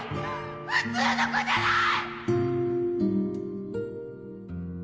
普通の子じゃない！